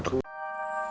ya pak haji